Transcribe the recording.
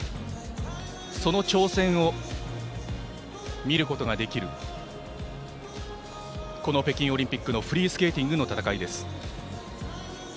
その挑戦を見ることができるこの北京オリンピックのフリースケーティングの戦いです。